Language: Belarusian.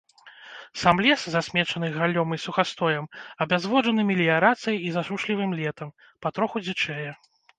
Сам лес, засмечаны галлём і сухастоем, абязводжаны меліярацыяй і засушлівым летам, патроху дзічэе.